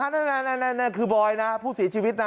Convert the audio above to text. นั่นคือบอยนะผู้เสียชีวิตนะ